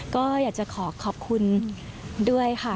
ก็อยากจะขอขอบคุณด้วยค่ะ